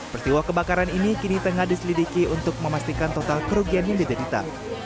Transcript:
peristiwa kebakaran ini kini tengah diselidiki untuk memastikan total kerugian yang diderita